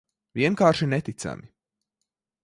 Vienkārši neticami.